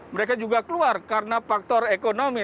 mereka juga keluar karena faktor ekonomi